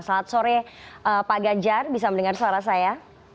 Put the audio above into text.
selamat sore pak ganjar bisa mendengar suara saya